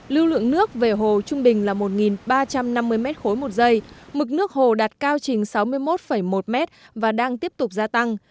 lưu lượng nước về hồ trung bình là một ba trăm năm mươi m ba một giây mực nước hồ đạt cao trình sáu mươi một một m và đang tiếp tục gia tăng